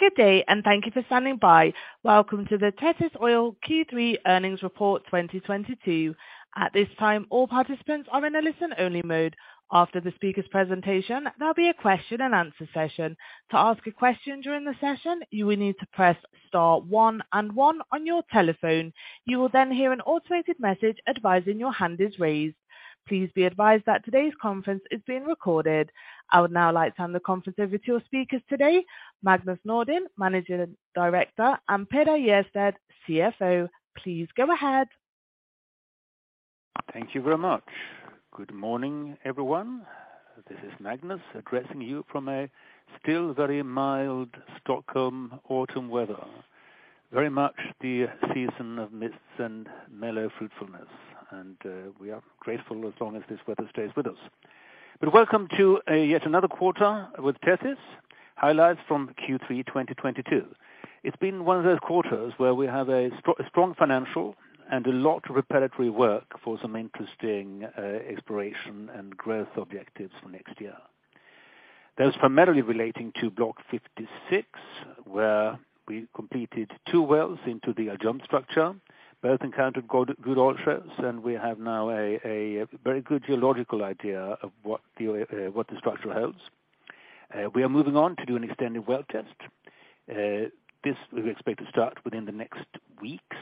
Good day. Thank you for standing by. Welcome to the Tethys Oil Q3 earnings report 2022. At this time, all participants are in a listen-only mode. After the speaker's presentation, there'll be a question and answer session. To ask a question during the session, you will need to press star one and one on your telephone. You will hear an automated message advising your hand is raised. Please be advised that today's conference is being recorded. I would now like to hand the conference over to your speakers today, Magnus Nordin, Managing Director, and Petter Hjertstedt, CFO. Please go ahead. Thank you very much. Good morning, everyone. This is Magnus addressing you from a still very mild Stockholm autumn weather. Very much the season of mists and mellow fruitfulness. We are grateful as long as this weather stays with us. Welcome to yet another quarter with Tethys, highlights from Q3 2022. It's been one of those quarters where we have a strong financial and a lot preparatory work for some interesting exploration and growth objectives for next year. Those primarily relating to Block 56, where we completed two wells into the Al Jumd structure, both encountered good shows, and we have now a very good geological idea of what the structure holds. We are moving on to do an extended well test. This we expect to start within the next weeks.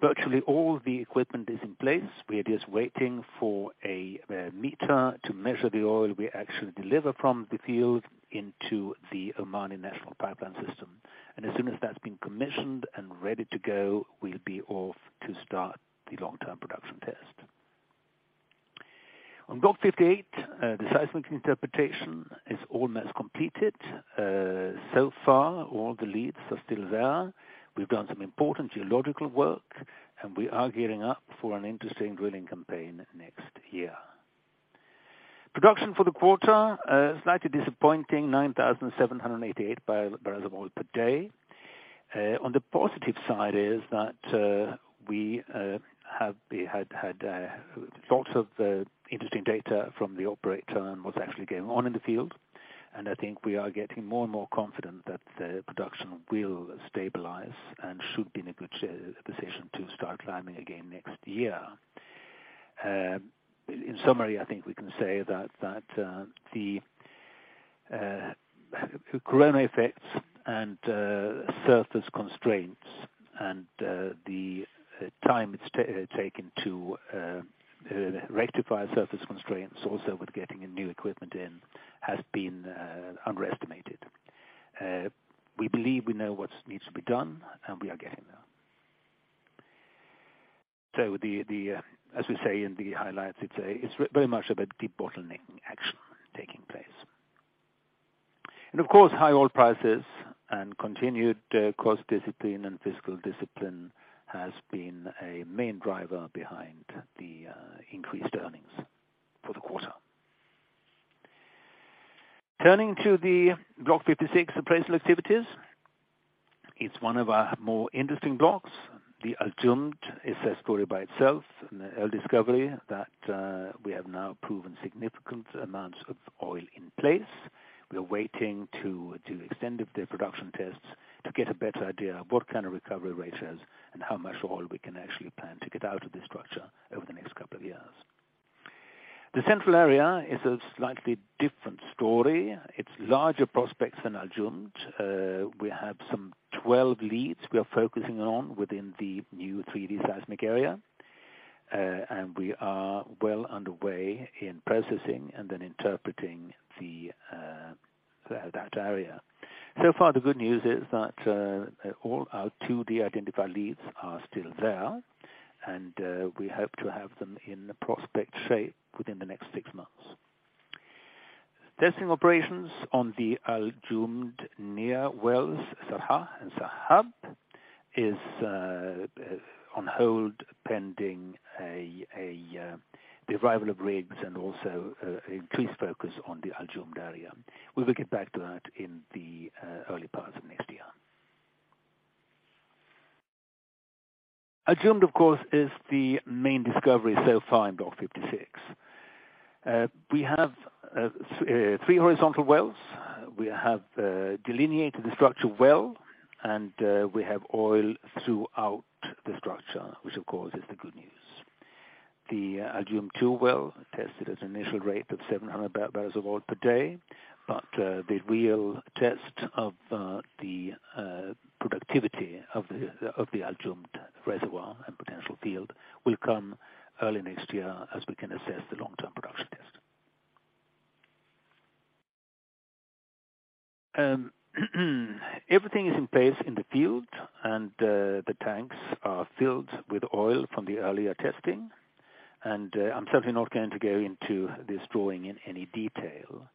Virtually all the equipment is in place. We are just waiting for a meter to measure the oil we actually deliver from the field into the Omani national pipeline system. As soon as that's been commissioned and ready to go, we'll be off to start the long-term production test. On Block 58, the seismic interpretation is almost completed. So far, all the leads are still there. We've done some important geological work, and we are gearing up for an interesting drilling campaign next year. Production for the quarter, slightly disappointing, 9,788 barrels of oil per day. On the positive side is that we have had lots of interesting data from the operator on what's actually going on in the field, and I think we are getting more and more confident that the production will stabilize and should be in a good position to start climbing again next year. In summary, I think we can say that the corona effects and surface constraints and the time it's taken to rectify surface constraints, also with getting new equipment in, has been underestimated. We believe we know what needs to be done, and we are getting there. As we say in the highlights, it's very much of a deep bottlenecking action taking place. Of course, high oil prices and continued cost discipline and fiscal discipline has been a main driver behind the increased earnings for the quarter. Turning to the Block 56 appraisal activities. It's one of our more interesting blocks. The Al Jumd is a story by itself, an oil discovery that we have now proven significant amounts of oil in place. We are waiting to do extended production tests to get a better idea of what kind of recovery rates and how much oil we can actually plan to get out of this structure over the next couple of years. The central area is a slightly different story. It's larger prospects than Al Jumd. We have some 12 leads we are focusing on within the new 3D seismic area. We are well underway in processing and then interpreting that area. So far, the good news is that all our 2D identified leads are still there. We hope to have them in the prospect shape within the next six months. Testing operations on the Al Jumd near wells, Sarha and Sahab, is on hold pending the arrival of rigs and also increased focus on the Al Jumd area. We will get back to that in the early part of next year. Al Jumd, of course, is the main discovery so far in Block 56. We have three horizontal wells. We have delineated the structure well. We have oil throughout the structure, which of course is the good news. The Al Jumd-2 well tested at an initial rate of 700 barrels of oil per day, but the real test of the productivity of the Al Jumd reservoir and potential field will come early next year as we can assess the long-term production test. Everything is in place in the field. The tanks are filled with oil from the earlier testing. I'm certainly not going to go into this drawing in any detail.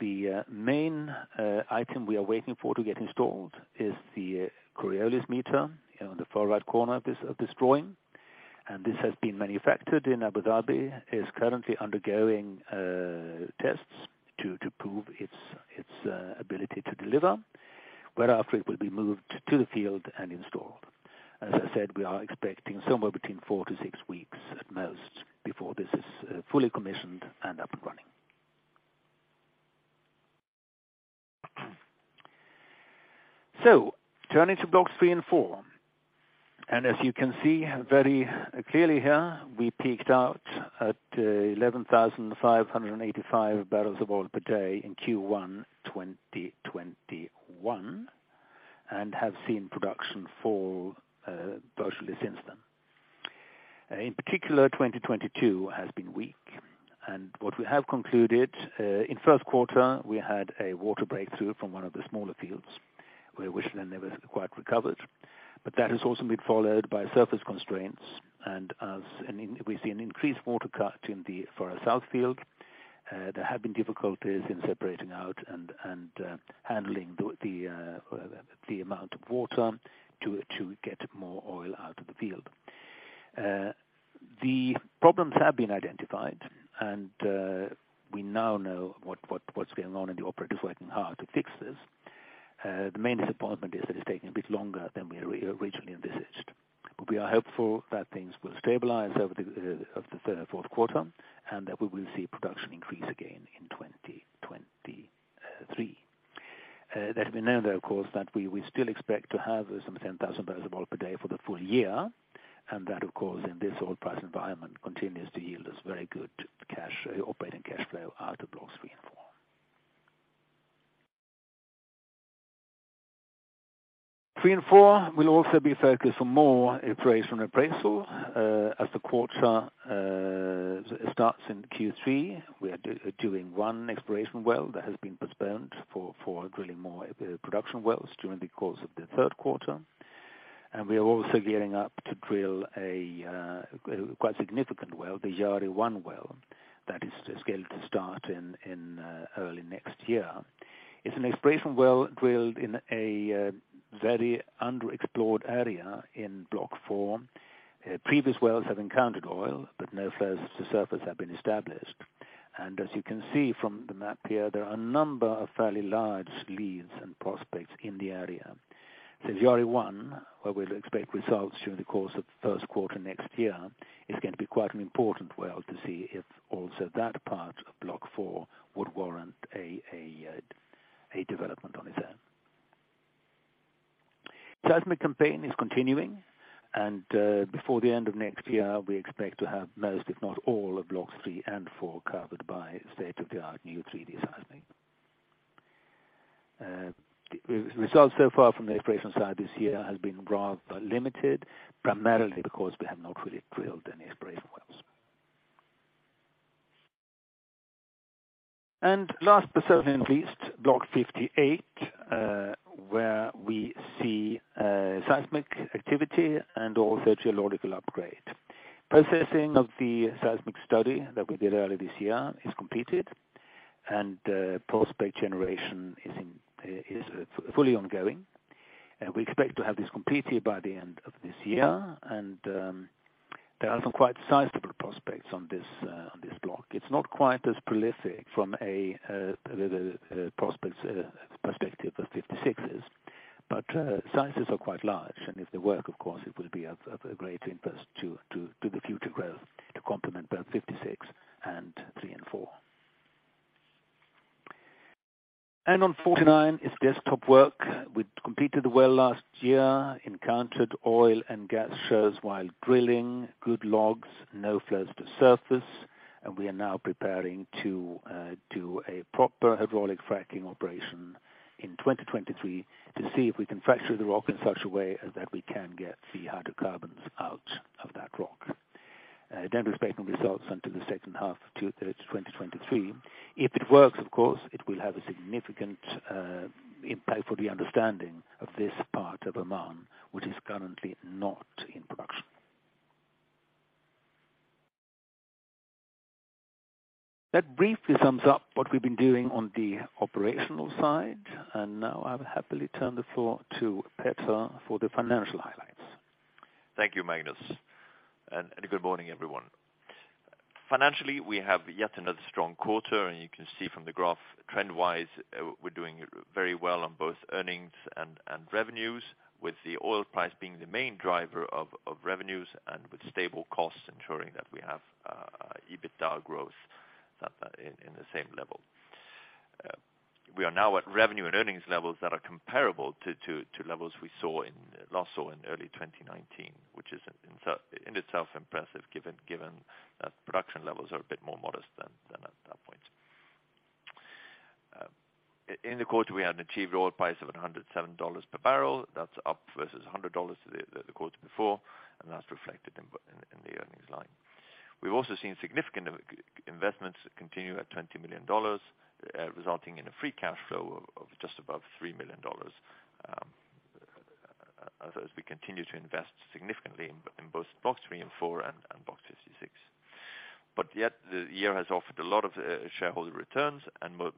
The main item we are waiting for to get installed is the Coriolis meter on the far right corner of this drawing. This has been manufactured in Abu Dhabi, is currently undergoing tests to prove its ability to deliver. After it will be moved to the field and installed. As I said, we are expecting somewhere between four to six weeks at most before this is fully commissioned and up and running. Turning to Blocks 3 and 4, as you can see very clearly here, we peaked out at 11,585 barrels of oil per day in Q1 2021. We have seen production fall virtually since then. In particular, 2022 has been weak. What we have concluded, in first quarter, we had a water breakthrough from one of the smaller fields, which then never quite recovered. That has also been followed by surface constraints. We've seen increased water cut in the far south field. There have been difficulties in separating out and handling the amount of water to get more oil out of the field. The problems have been identified. We now know what's going on. The operator is working hard to fix this. The main disappointment is that it's taking a bit longer than we originally envisaged. We are hopeful that things will stabilize over the fourth quarter. We will see production increase again in 2023. Let me know, though, of course, that we still expect to have some 10,000 barrels of oil per day for the full year. That of course, in this oil price environment, continues to yield us very good operating cash flow out of Blocks 3 and 4. Blocks 3 and 4 will also be focused on more exploration and appraisal as the quarter starts in Q3. We are doing one exploration well that has been postponed for drilling more production wells during the course of the third quarter. We are also gearing up to drill a quite significant well, the Jari-1 well that is scheduled to start in early next year. It's an exploration well drilled in a very underexplored area in Block 4. Previous wells have encountered oil, but no flows to surface have been established. As you can see from the map here, there are a number of fairly large leads and prospects in the area. Jari-1, where we'll expect results during the course of first quarter next year, is going to be quite an important well to see if also that part of Block 4 would warrant a development on its own. Seismic campaign is continuing. Before the end of next year, we expect to have most, if not all, of Blocks 3 and 4 covered by state-of-the-art new 3D seismic. Results so far from the exploration side this year has been rather limited, primarily because we have not really drilled any exploration wells. Last but certainly not least, Block 58, where we see seismic activity and also geological upgrade. Processing of the seismic study that we did earlier this year is completed. Prospect generation is fully ongoing. We expect to have this completed by the end of this year. There are some quite sizable prospects on this block. It's not quite as prolific from a prospects perspective as 56 is. Sizes are quite large, and if they work, of course, it will be of a great interest to the future growth to complement both 56 and 3 and 4. On 49 is desktop work. We completed the well last year, encountered oil and gas shows while drilling, good logs, no flows to surface. We are now preparing to do a proper hydraulic fracturing operation in 2023 to see if we can fracture the rock in such a way that we can get the hydrocarbons out of that rock. Don't expect results until the second half of 2023. If it works, of course, it will have a significant impact for the understanding of this part of Oman, which is currently not in production. That briefly sums up what we've been doing on the operational side. Now I will happily turn the floor to Petter for the financial highlights. Thank you, Magnus, and good morning, everyone. Financially, we have yet another strong quarter, and you can see from the graph, trend-wise, we're doing very well on both earnings and revenues, with the oil price being the main driver of revenues and with stable costs ensuring that we have EBITDA growth in the same level. We are now at revenue and earnings levels that are comparable to levels we saw in, last saw in early 2019, which is in itself impressive given that production levels are a bit more modest than at that point. In the quarter, we had achieved oil price of $107 per barrel. That's up versus $100 the quarter before, and that's reflected in the earnings line. We've also seen significant investments continue at $20 million, resulting in a free cash flow of just above $3 million as we continue to invest significantly in both Blocks 3 and 4 and Block 56. Yet the year has offered a lot of shareholder returns,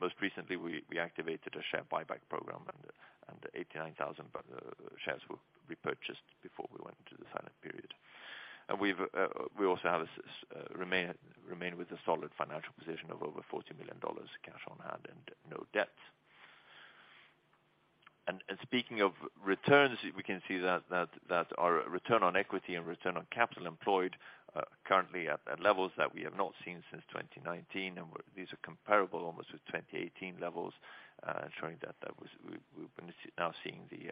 most recently we activated a share buyback program and 89,000 shares were repurchased before we went into the silent period. We also remain with a solid financial position of over $40 million cash on hand and no debts. Speaking of returns, we can see that our return on equity and return on capital employed are currently at levels that we have not seen since 2019, and these are comparable almost with 2018 levels, showing that we've been now seeing the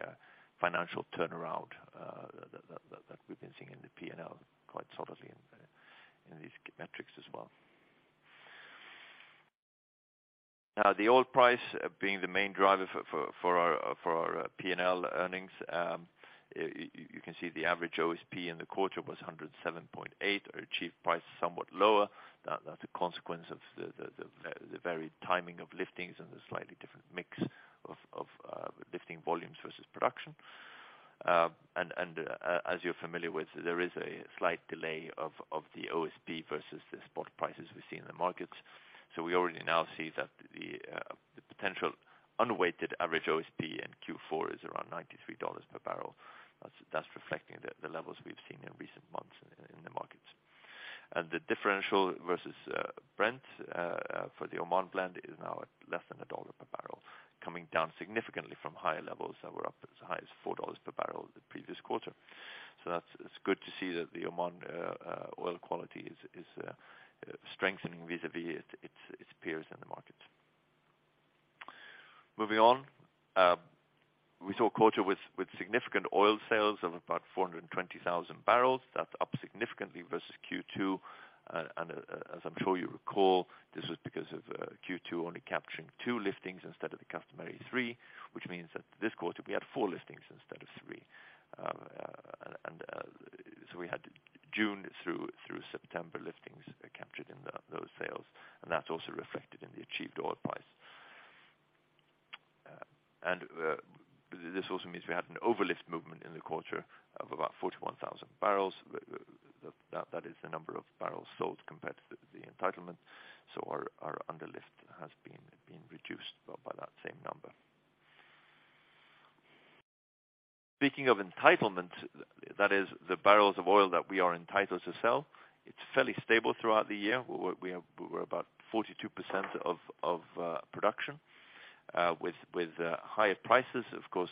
financial turnaround that we've been seeing in the P&L quite solidly in these metrics as well. The oil price being the main driver for our P&L earnings. You can see the average OSP in the quarter was $107.8. Our achieved price is somewhat lower. That's a consequence of the very timing of liftings and the slightly different mix of lifting volumes versus production. As you're familiar with, there is a slight delay of the OSP versus the spot prices we see in the markets. We already now see that the potential unweighted average OSP in Q4 is around $93 per barrel. That's reflecting the levels we've seen in recent months in the markets. The differential versus Brent for the Oman blend is now at less than a dollar per barrel, coming down significantly from higher levels that were up as high as $4 per barrel the previous quarter. That's good to see that the Oman oil quality is strengthening vis-a-vis its peers in the market. Moving on. We saw a quarter with significant oil sales of about 420,000 barrels. That's up significantly versus Q2. As I'm sure you recall, this was because of Q2 only capturing two liftings instead of the customary three, which means that this quarter we had four liftings instead of three. We had June through September liftings captured in those sales, and that's also reflected in the achieved oil price. This also means we had an overlift movement in the quarter of about 41,000 barrels. That is the number of barrels sold compared to the entitlement. Our underlift has been reduced by that same number. Speaking of entitlement, that is the barrels of oil that we are entitled to sell. It's fairly stable throughout the year. We're about 42% of production, with higher prices, of course,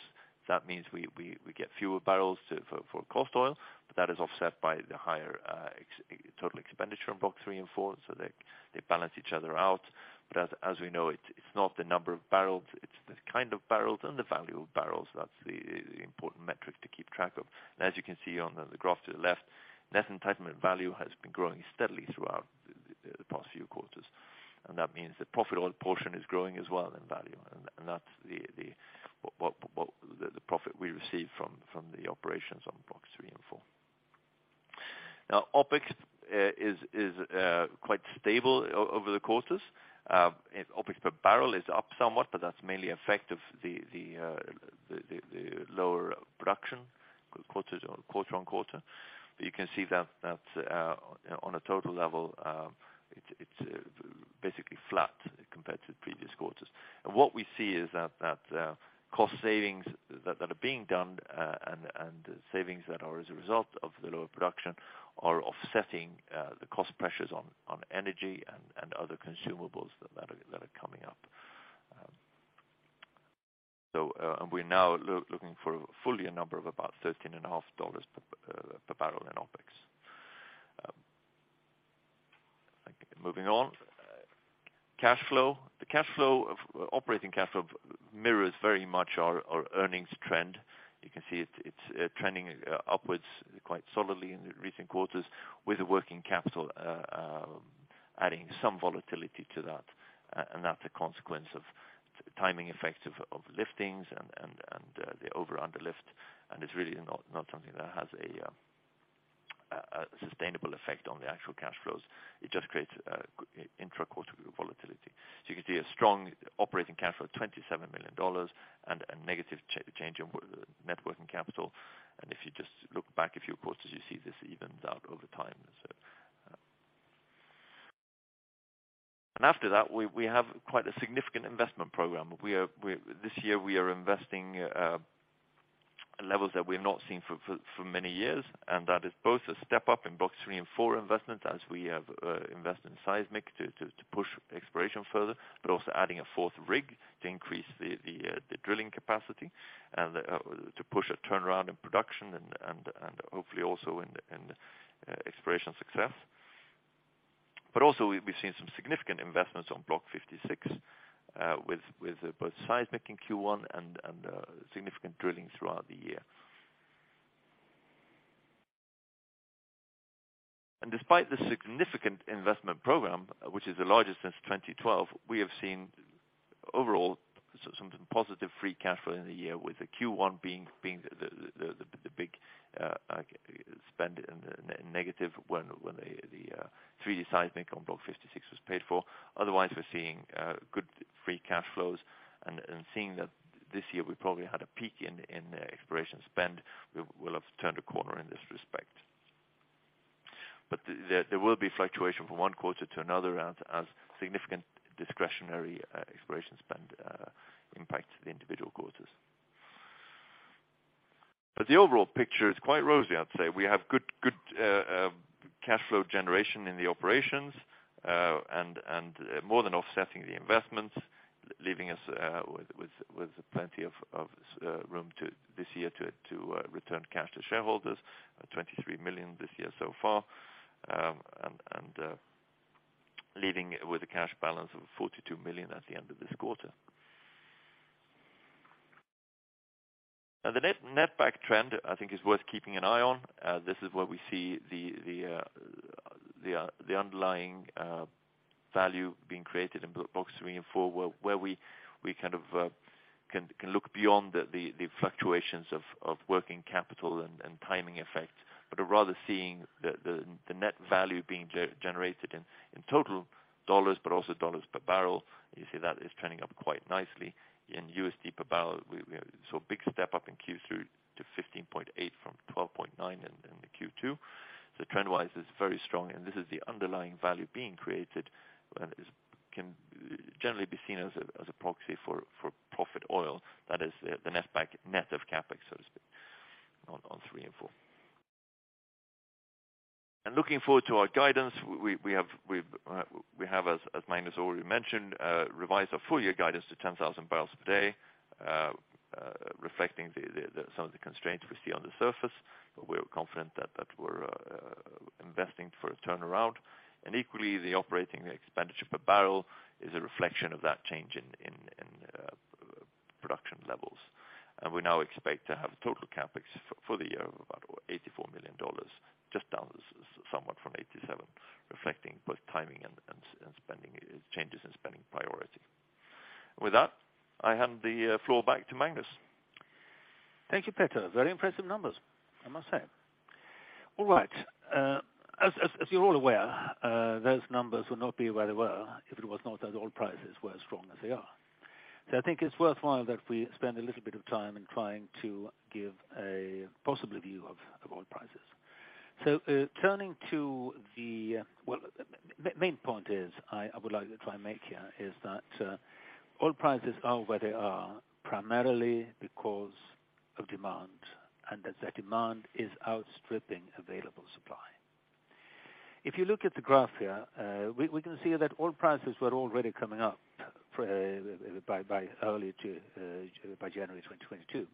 that means we get fewer barrels for cost oil, but that is offset by the higher total expenditure in Blocks 3 and 4, so they balance each other out. As we know, it's not the number of barrels, it's the kind of barrels and the value of barrels. That's the important metric to keep track of. As you can see on the graph to the left, net entitlement value has been growing steadily throughout the past few quarters. That means the profit oil portion is growing as well in value, and that's the profit we receive from the operations on Blocks 3 and 4. OpEx is quite stable over the quarters. OpEx per barrel is up somewhat, but that's mainly effect of the lower production quarter-on-quarter. You can see that on a total level, it's basically flat compared to previous quarters. What we see is that cost savings that are being done, and savings that are as a result of the lower production, are offsetting the cost pressures on energy and other consumables that are coming up. We're now looking for a full year number of about $13.5 per barrel in OpEx. Moving on. Cash flow. The operating cash flow mirrors very much our earnings trend. You can see it's trending upwards quite solidly in the recent quarters with the working capital adding some volatility to that, and that's a consequence of timing effects of liftings and the over-underlift, and it's really not something that has a sustainable effect on the actual cash flows. It just creates intra-quarter volatility. You can see a strong operating cash flow of $27 million and a negative change in net working capital. If you just look back a few quarters, you see this evens out over time. After that, we have quite a significant investment program. This year we are investing levels that we have not seen for many years, and that is both a step up in Blocks 3 and 4 investment as we have invested in seismic to push exploration further, but also adding a fourth rig to increase the drilling capacity and to push a turnaround in production and hopefully also in the exploration success. Also, we've been seeing some significant investments on Block 56, with both seismic in Q1 and significant drilling throughout the year. Despite the significant investment program, which is the largest since 2012, we have seen overall some positive free cash flow in the year, with the Q1 being the big spend in the negative when the 3D seismic on Block 56 was paid for. Otherwise, we're seeing good free cash flows and seeing that this year we probably had a peak in exploration spend. We will have turned a corner in this respect. There will be fluctuation from one quarter to another as significant discretionary exploration spend impacts. The overall picture is quite rosy, I'd say. We have good cash flow generation in the operations, and more than offsetting the investments, leaving us with plenty of room this year to return cash to shareholders, $23 million this year so far, and leaving with a cash balance of $42 million at the end of this quarter. The netback trend, I think is worth keeping an eye on. This is where we see the underlying value being created in Blocks 3 and 4, where we kind of can look beyond the fluctuations of working capital and timing effects, but rather seeing the net value being generated in total dollars but also dollars per barrel. You see that is trending up quite nicely in USD per barrel. We saw a big step up in Q3 to 15.8 from 12.9 in the Q2. Trend-wise, it's very strong, and this is the underlying value being created, and this can generally be seen as a proxy for profit oil. That is the netback net of CapEx, so to speak, on three and four. Looking forward to our guidance, we have, as Magnus already mentioned, revised our full-year guidance to 10,000 barrels per day, reflecting some of the constraints we see on the surface. We are confident that we're investing for a turnaround, and equally, the operating expenditure per barrel is a reflection of that change in production levels. We now expect to have total CapEx for the year of about $84 million, just down somewhat from $87, reflecting both timing and changes in spending priority. With that, I hand the floor back to Magnus. Thank you, Petter. Very impressive numbers, I must say. All right. As you're all aware, those numbers would not be where they were if it was not that oil prices were as strong as they are. I think it's worthwhile that we spend a little bit of time in trying to give a possible view of oil prices. Well, the main point is I would like to try and make here is that oil prices are where they are primarily because of demand, and as that demand is outstripping available supply. If you look at the graph here, we can see that oil prices were already coming up by January 2022.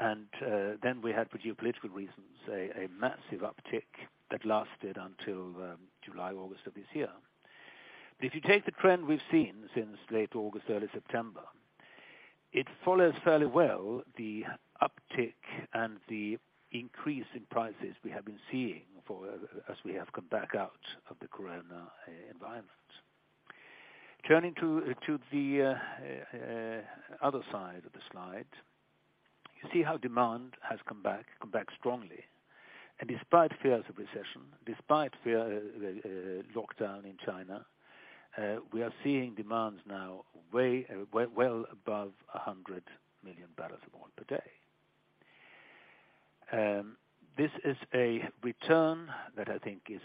Then we had, for geopolitical reasons, a massive uptick that lasted until July, August of this year. If you take the trend we've seen since late August, early September, it follows fairly well the uptick and the increase in prices we have been seeing as we have come back out of the Corona environment. Turning to the other side of the slide, you see how demand has come back strongly. Despite fears of recession, despite fear of lockdown in China, we are seeing demands now well above 100 million barrels of oil per day. This is a return that I think is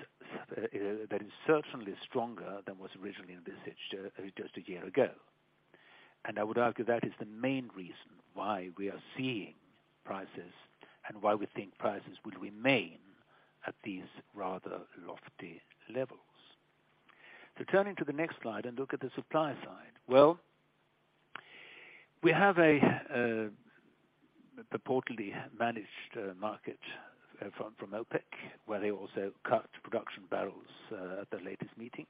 certainly stronger than was originally envisaged just a year ago. I would argue that is the main reason why we are seeing prices and why we think prices will remain at these rather lofty levels. Turning to the next slide and look at the supply side. We have a purportedly managed market from OPEC, where they also cut production barrels at the latest meeting.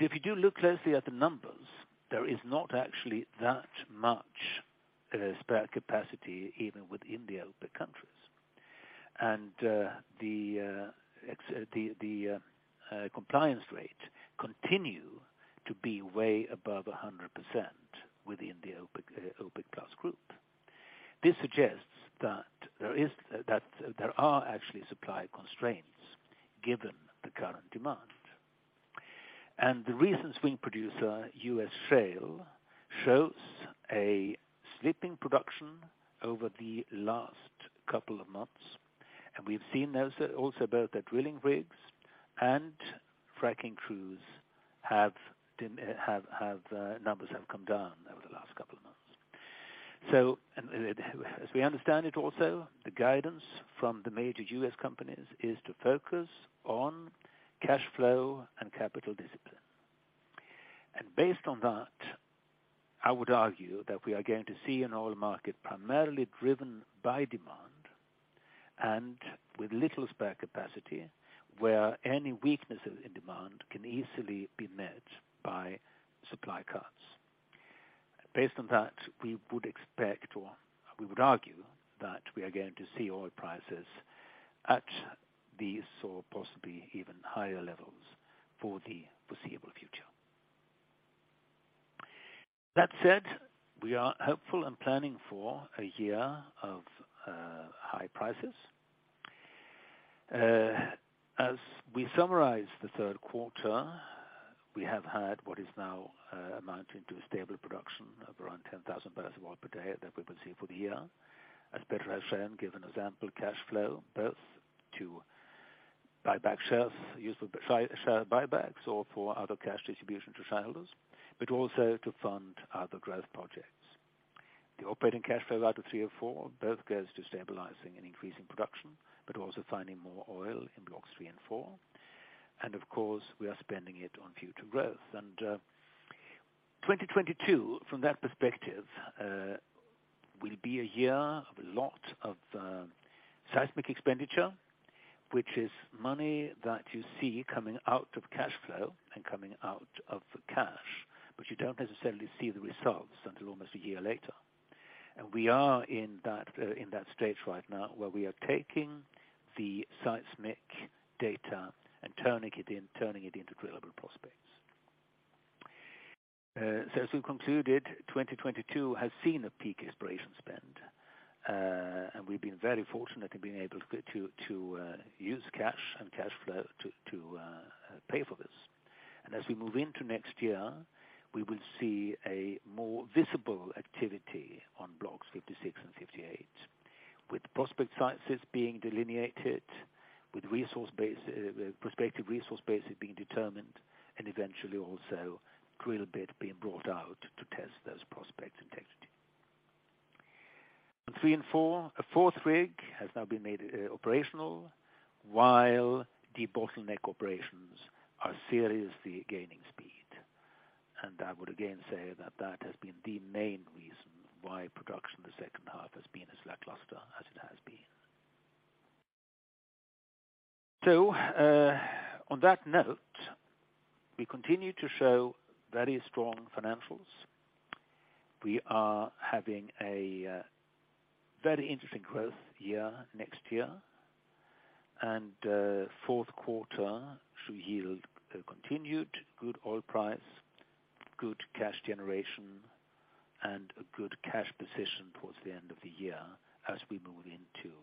If you do look closely at the numbers, there is not actually that much spare capacity even within the OPEC countries. The compliance rates continue to be way above 100% within the OPEC+ group. This suggests that there are actually supply constraints given the current demand. The recent swing producer, U.S. Shale, shows a slipping production over the last couple of months, and we've seen also both the drilling rigs and fracking crews numbers have come down over the last couple of months. As we understand it also, the guidance from the major U.S. companies is to focus on cash flow and capital discipline. Based on that, I would argue that we are going to see an oil market primarily driven by demand and with little spare capacity, where any weaknesses in demand can easily be met by supply cuts. Based on that, we would expect, or we would argue that we are going to see oil prices at these or possibly even higher levels for the foreseeable future. That said, we are hopeful and planning for a year of high prices. As we summarize the third quarter, we have had what is now amounting to a stable production of around 10,000 barrels of oil per day that we will see for the year. As Petter has said, given the ample cash flow both to fund buybacks or for other cash distribution to shareholders, but also to fund other growth projects. The operating cash flows out of Blocks 3 and 4 both goes to stabilizing and increasing production, but also finding more oil in Blocks 3 and 4. Of course, we are spending it on future growth. 2022, from that perspective, will be a year of a lot of seismic expenditure, which is money that you see coming out of cash flow and coming out of the cash, but you don't necessarily see the results until almost a year later. We are in that stage right now where we are taking the seismic data and turning it into drillable prospects. As we concluded, 2022 has seen a peak exploration spend. We've been very fortunate in being able to use cash and cash flow to pay for this. As we move into next year, we will see a more visible activity on Blocks 56 and 58, with prospect sizes being delineated, with prospective resource bases being determined, and eventually also drill bit being brought out to test those prospects integrity. On Blocks 3 and 4, a fourth rig has now been made operational while debottleneck operations are seriously gaining speed. I would again say that has been the main reason why production in the second half has been as lackluster as it has been. On that note, we continue to show very strong financials. We are having a very interesting growth year next year. Fourth quarter should yield a continued good oil price, good cash generation, and a good cash position towards the end of the year as we move into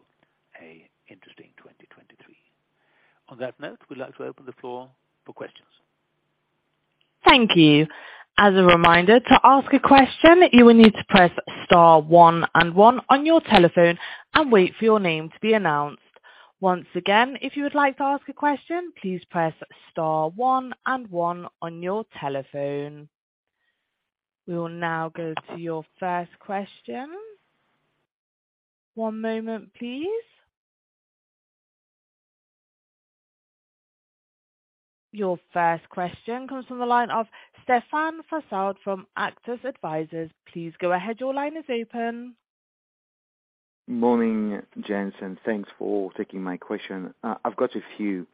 an interesting 2023. On that note, we'd like to open the floor for questions. Thank you. As a reminder, to ask a question, you will need to press star one and one on your telephone and wait for your name to be announced. Once again, if you would like to ask a question, please press star one and one on your telephone. We will now go to your first question. One moment, please. Your first question comes from the line of Stephane Foucaud from Auctus Advisors. Please go ahead. Your line is open. Morning, gents. Thanks for taking my question. I've got a few.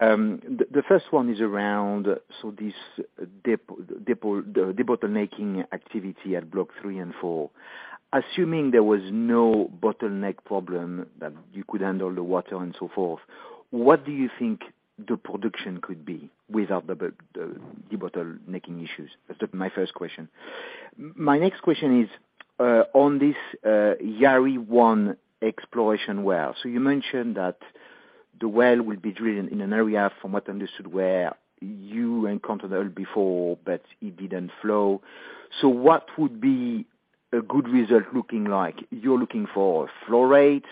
The first one is around debottlenecking activity at Blocks 3 and 4. Assuming there was no bottleneck problem, that you could handle the water and so forth, what do you think the production could be without the debottlenecking issues? That's my first question. My next question is on this Jari-1 exploration well. You mentioned that the well will be drilled in an area, from what I understood, where you encountered oil before, but it didn't flow. What would be a good result looking like? You're looking for flow rates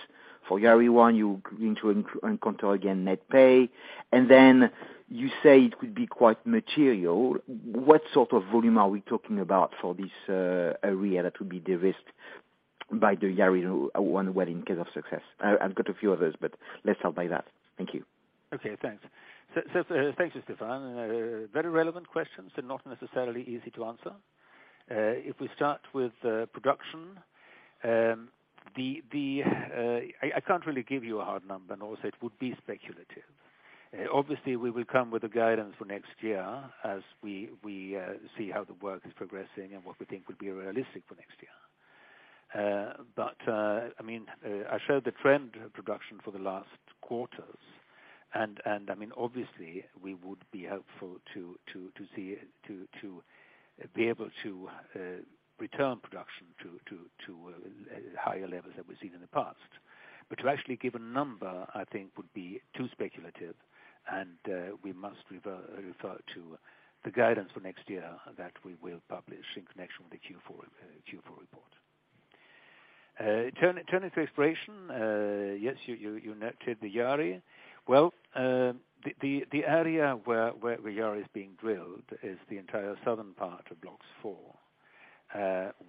for Jari-1. You're going to encounter again net pay. Then you say it could be quite material. What sort of volume are we talking about for this area that would be de-risked by the Jari-1 well in case of success? I've got a few others. Let's start by that. Thank you. Okay, thanks. Thank you, Stephane. Very relevant questions and not necessarily easy to answer. If we start with production, I can't really give you a hard number, and also it would be speculative. Obviously, we will come with a guidance for next year as we see how the work is progressing and what we think would be realistic for next year. I showed the trend of production for the last quarters, and obviously we would be hopeful to be able to return production to higher levels that we've seen in the past. To actually give a number, I think would be too speculative, and we must refer to the guidance for next year that we will publish in connection with the Q4 report. Turning to exploration, yes, you noted the Jari. Well, the area where Jari is being drilled is the entire southern part of Block 4,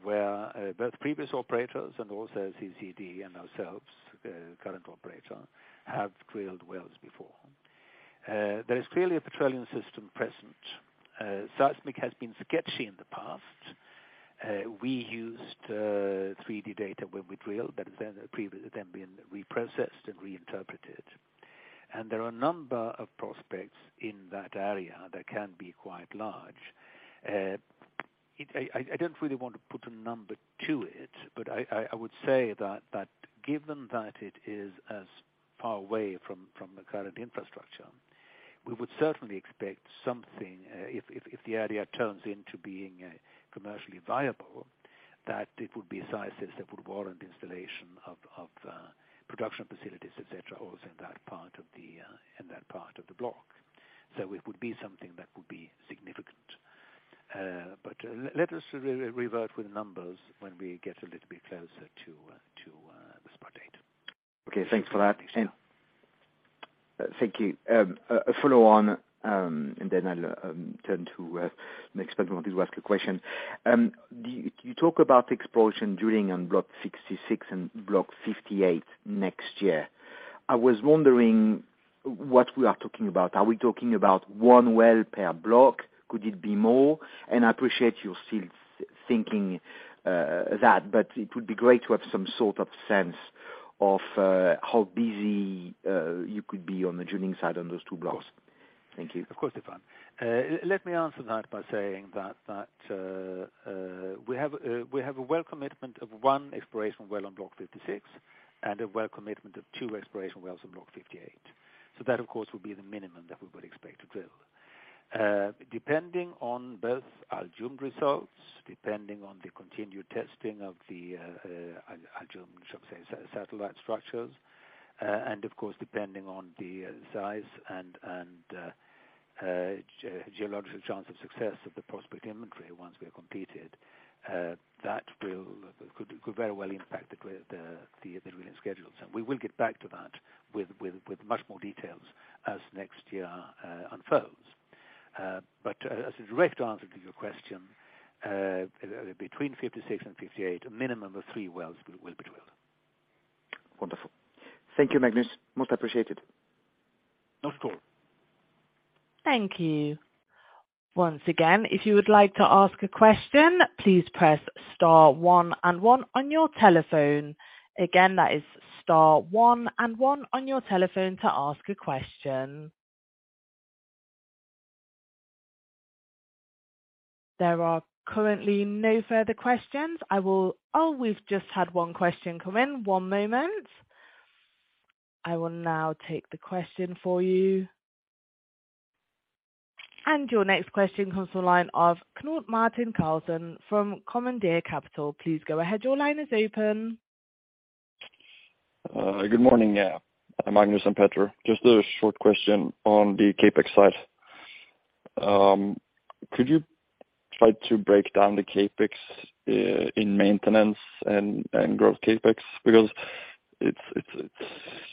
where both previous operators and also CCED and ourselves, the current operator, have drilled wells before. There is clearly a petroleum system present. Seismic has been sketchy in the past. We used 3D data when we drilled, but it has then been reprocessed and reinterpreted. There are a number of prospects in that area that can be quite large. I don't really want to put a number to it, but I would say that given that it is as far away from the current infrastructure, we would certainly expect something, if the area turns into being commercially viable, that it would be a size that would warrant installation of production facilities, et cetera, or in that part of the block. It would be something that would be significant. Let us revert with numbers when we get a little bit closer to the spot date. Okay. Thanks for that. Sure. Thank you. A follow-on, and then I'll turn to, Magnus probably wanted to ask a question. You talk about exploration drilling on Block 56 and Block 58 next year. I was wondering what we are talking about. Are we talking about one well per block? Could it be more? I appreciate you're still thinking that, but it would be great to have some sort of sense of how busy you could be on the drilling side on those two blocks. Thank you. Of course, Stephane. That, of course, will be the minimum that we would expect to drill. Depending on both Al Jumd results, depending on the continued testing of the Al Jumd, shall we say, satellite structures, and of course, depending on the size and geological chance of success of the prospect inventory once we're completed, that could very well impact the drilling schedules. We will get back to that with much more details as next year unfolds. But as a direct answer to your question, between 56 and 58, a minimum of three wells will be drilled. Wonderful. Thank you, Magnus. Most appreciated. No problem. Thank you. Once again, if you would like to ask a question, please press star one and one on your telephone. Again, that is star one and one on your telephone to ask a question. There are currently no further questions. Oh, we've just had one question come in. One moment. I will now take the question for you. Your next question comes from the line of Knut Martin Karlsen from Commandeer Capital. Please go ahead. Your line is open. Good morning, Magnus and Petter. Just a short question on the CapEx side. Could you try to break down the CapEx in maintenance and growth CapEx? It's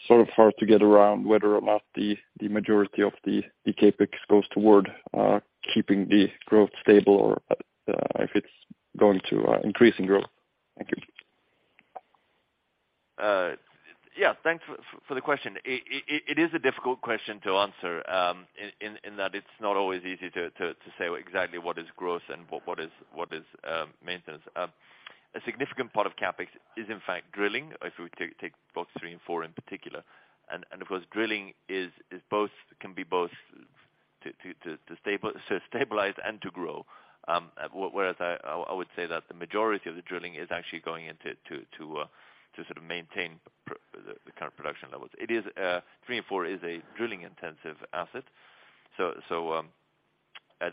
sort of hard to get around whether or not the majority of the CapEx goes toward keeping the growth stable or if it's going to increasing growth. Thank you. Yeah, thanks for the question. It is a difficult question to answer, in that it's not always easy to say exactly what is growth and what is maintenance. A significant part of CapEx is, in fact, drilling, if we take both 3 and 4 in particular. Of course, drilling can be both to stabilize and to grow. Whereas I would say that the majority of the drilling is actually going into to maintain the current production levels. 3 and 4 is a drilling-intensive asset, so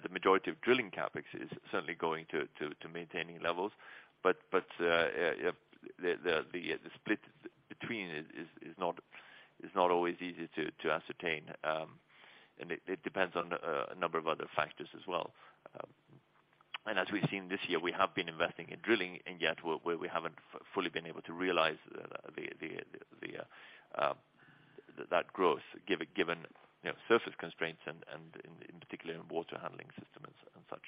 the majority of drilling CapEx is certainly going to maintaining levels. The split between is not always easy to ascertain, and it depends on a number of other factors as well. As we've seen this year, we have been investing in drilling, and yet we haven't fully been able to realize that growth, given surface constraints and in particular in water handling systems and such,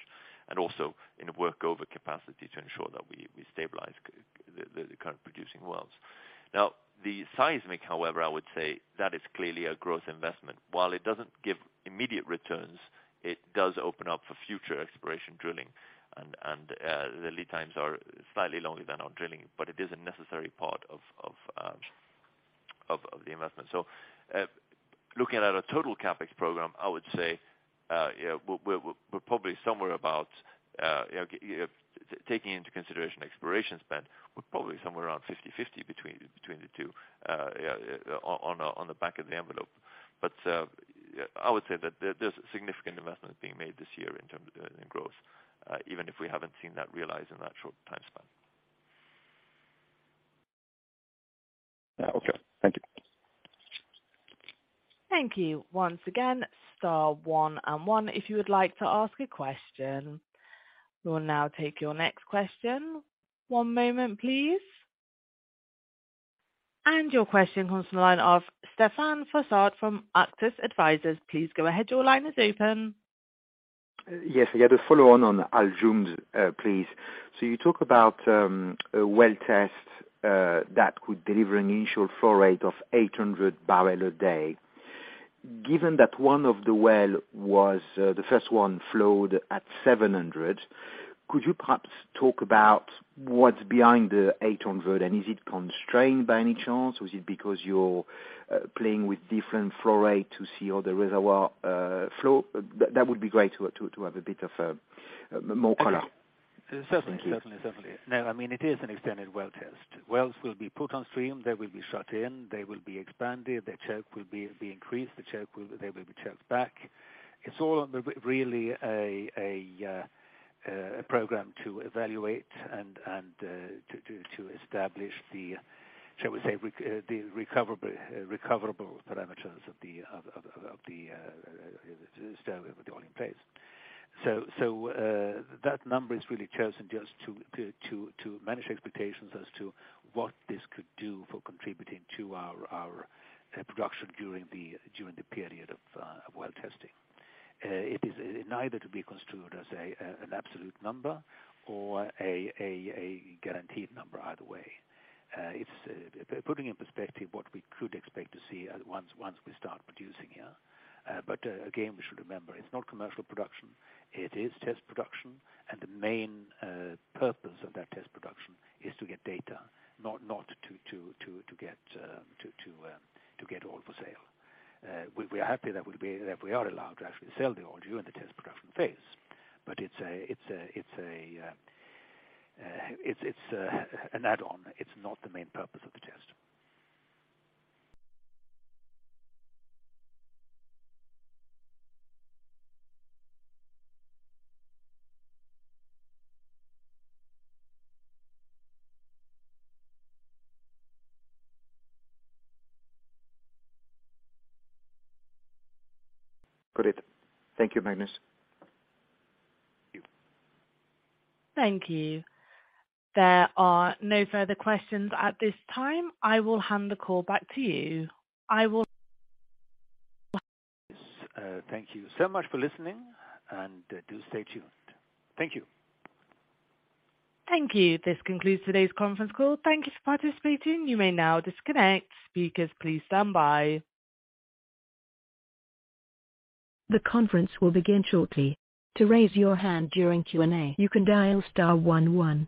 and also in work over capacity to ensure that we stabilize the current producing wells. The seismic, however, I would say that is clearly a growth investment. While it doesn't give immediate returns, it does open up for future exploration drilling. The lead times are slightly longer than our drilling, but it is a necessary part of the investment. Looking at a total CapEx program, I would say, taking into consideration exploration spend, we're probably somewhere around 50/50 between the two on the back of the envelope. I would say that there's significant investment being made this year in terms of growth, even if we haven't seen that realized in that short time span. Okay. Thank you. Thank you. Once again, *1 and 1 if you would like to ask a question. We will now take your next question. One moment, please. Your question comes from the line of Stephane Frossard from Auctus Advisors. Please go ahead. Your line is open. Yes. I have a follow-on on Al Jumd, please. You talk about a well test that could deliver an initial flow rate of 800 barrel a day. Given that one of the well was the first one flowed at 700, could you perhaps talk about what's behind the 800, and is it constrained by any chance? Was it because you're playing with different flow rate to see how the reservoir flow? That would be great to have a bit of more color. Certainly. Thank you. It is an extended well test. Wells will be put on stream, they will be shut in, they will be expanded, their choke will be increased, they will be choked back. It's all really a program to evaluate and to establish the, shall we say, the recoverable parameters of the oil in place. That number is really chosen just to manage expectations as to what this could do for contributing to our production during the period of well testing. It is neither to be construed as an absolute number or a guaranteed number either way. It's putting in perspective what we could expect to see once we start producing here. Again, we should remember, it's not commercial production, it is test production, and the main purpose of that test production is to get data, not to get oil for sale. We are happy that we are allowed to actually sell the oil during the test production phase. It's an add-on. It's not the main purpose of the test. Got it. Thank you, Magnus. Thank you. Thank you. There are no further questions at this time. I will hand the call back to you. Yes. Thank you so much for listening, and do stay tuned. Thank you. Thank you. This concludes today's conference call. Thank you for participating. You may now disconnect. Speakers, please stand by. The conference will begin shortly. To raise your hand during Q&A, you can dial star one one.